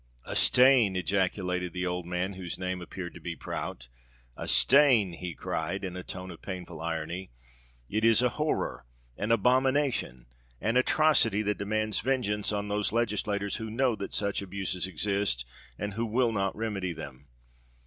"A stain!" ejaculated the old man, whose name appeared to be Prout;—"a stain!" he cried, in a tone of painful irony:—"it is a horror—an abomination—an atrocity that demands vengeance on those legislators who know that such abuses exist and who will not remedy them!